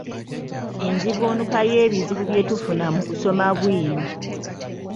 Enzivuunuka y'ebizibu bye tufuna mu kusoma bwino.